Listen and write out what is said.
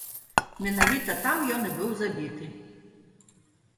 Менавіта там ён і быў забіты.